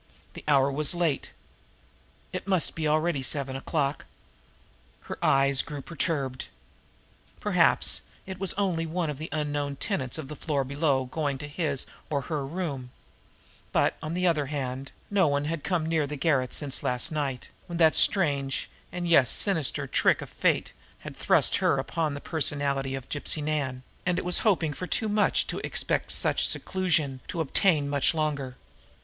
The hour was late. It must be already after eleven o'clock. Her eyes grew perturbed. Perhaps it was only one of the unknown tenants of the floor below going to his or her room; but, on the other hand, no one had come near the garret since last night, when that strange and, yes, sinister trick of fate had thrust upon her the personality of Gypsy Nan, and it was hoping for too much to expect such seclusion to obtain much longer.